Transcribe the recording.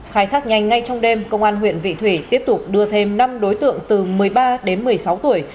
khai thác nhanh ngay trong đêm công an huyện vị thủy tiếp tục đưa thêm năm đối tượng từ một mươi ba đến một mươi sáu tuổi